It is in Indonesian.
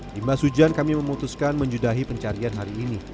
di masujan kami memutuskan menjudahi pencarian hari ini